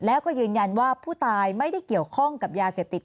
แล้วก็ยืนยันว่าผู้ตายไม่ได้เกี่ยวข้องกับยาเสพติด